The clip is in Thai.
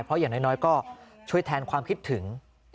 เพราะอย่างน้อยก็ช่วยแทนความคิดถึง